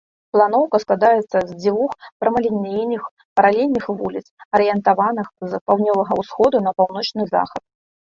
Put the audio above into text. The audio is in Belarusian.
Планоўка складаецца з дзвюх прамалінейных, паралельных вуліц, арыентаваных з паўднёвага ўсходу на паўночны захад.